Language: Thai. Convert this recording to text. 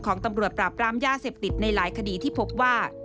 ของตำรวจปราบรามยาเสพติดในหลายคดีที่พบว่า